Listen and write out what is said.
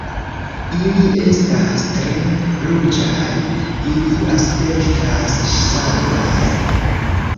"Ili estas tre ruĝaj. Ili aspektas sangaj."